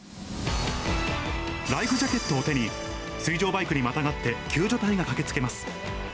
ライフジャケットを手に、水上バイクにまたがって、救助隊が駆けつけます。